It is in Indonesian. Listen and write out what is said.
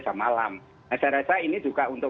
jam malam saya rasa ini juga untuk